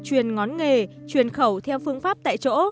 truyền ngón nghề truyền khẩu theo phương pháp tại chỗ